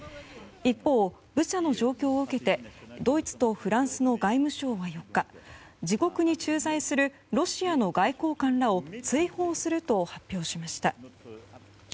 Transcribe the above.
一方、ブチャの状況を受けてドイツのフランスの外務省は４日自国に駐在するロシアの外交官らを追放すると発表しました。